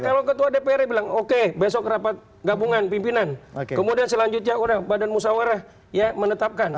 iya kalau ketua dprd bilang oke besok rapat gabungan pimpinan kemudian selanjutnya orang badan musawarah menetapkan